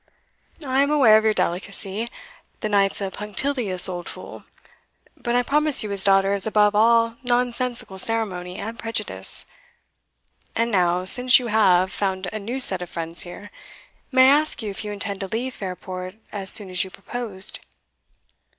"I am aware of your delicacy: the knight's a punctilious old fool, but I promise you his daughter is above all nonsensical ceremony and prejudice. And now, since you have, found a new set of friends here, may I ask if you intend to leave Fairport as soon as you proposed?"